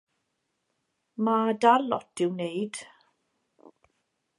Mae dal lot i'w wneud.